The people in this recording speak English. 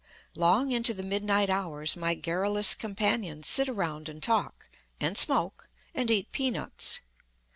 Long into the midnight hours my garrulous companions sit around and talk, and smoke, and eat peanuts.